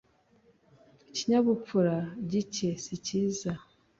ikinyabupfura gike sicyiza